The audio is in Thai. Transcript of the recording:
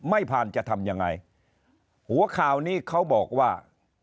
ไม่ผ่านจะทำยังไงหัวข่าวนี้เขาบอกว่า